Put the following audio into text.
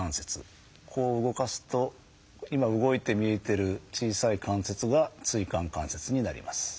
こう動かすと今動いて見えてる小さい関節が椎間関節になります。